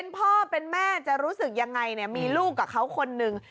พ่อเป็นแม่จะรู้สึกยังไงมีลูกกับเขาคนหนึ่ง